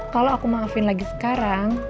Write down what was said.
kalau aku maafin lagi sekarang